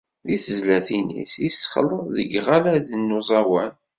Deg tezlatin-is, yessexleḍ deg yiɣaladen n uẓawan.